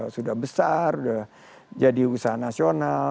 sudah besar sudah jadi usaha nasional